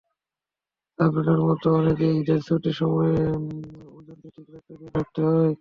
সাবরিনার মতো অনেকেই ঈদের ছুটির সময়ে ওজনকে ঠিক রাখতে বেশ ভাবতে হয়।